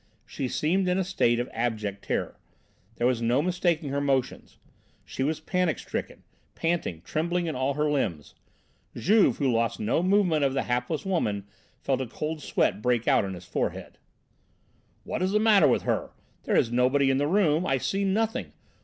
She seemed in a state of abject terror. There was no mistaking her motions. She was panic stricken, panting, trembling in all her limbs. Juve, who lost no movement of the hapless woman, felt a cold sweat break out on his forehead. "What's the matter with her? There is nobody in the room, I see nothing!